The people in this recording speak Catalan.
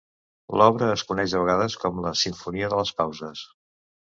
L'obra es coneix a vegades com la "Simfonia de les pauses".